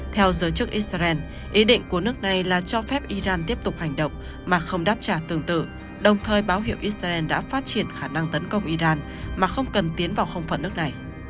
theo giới chức israel ý định của nước này là cho phép iran tiếp tục hành động mà không đáp trả tương tự đồng thời báo hiệu israel đã phát triển khả năng tấn công iran mà không cần tiến vào không phận nước này